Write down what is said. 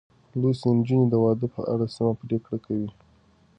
لوستې نجونې د واده په اړه سمه پرېکړه کوي.